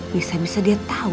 bisa bisa dia tau